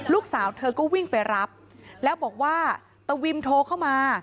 ลูกสาวเธอก็วิ่งไปรับแล้วบอกว่าตะวิมโทรเข้ามา